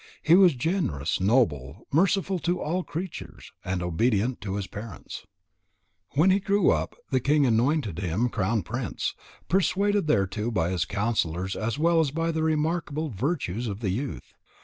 He was generous, noble, merciful to all creatures, and obedient to his parents. When he grew up, the king anointed him crown prince, persuaded thereto by his counsellors as well as by the remarkable virtues of the youth.